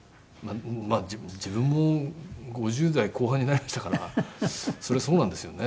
自分も５０代後半になりましたからそりゃそうなんですよね。